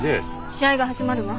試合が始まるわ。